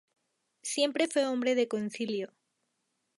Siempre fue hombre de concilio.